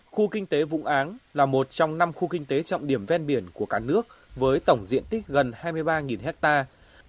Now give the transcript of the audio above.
khu kinh tế vũng áng là một trong năm khu kinh tế trọng điểm ven biển của cả nước với tổng diện tích gần hai mươi ba hectare